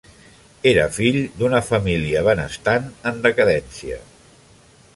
Era fill d'una família benestant en decadència.